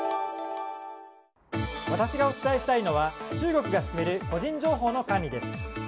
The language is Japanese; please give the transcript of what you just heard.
私がお伝えしたいのは中国が進める個人情報の管理です。